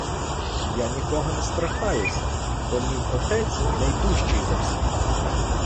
— Я нікого не страхаюся, бо мій отець найдужчий за всіх!